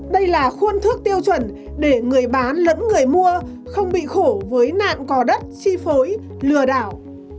đây là khuôn thước tiêu chuẩn để người bán lẫn người mua không bị khổ với nạn cò đất chi phối lừa đảo